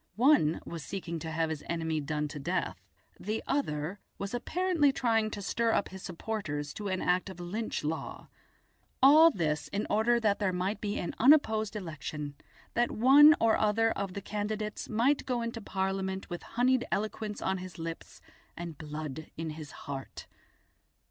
One was seeking to have his enemy done to death, the other was apparently trying to stir up his supporters to an act of "Lynch law". All this in order that there might be an unopposed election, that one or other of the candidates might go into Parliament with honeyed eloquence on his lips and blood on his heart.